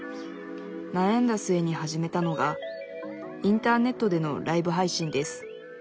なやんだ末に始めたのがインターネットでのライブ配信です